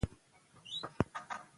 هغه په ارامۍ ځواب ورکوي.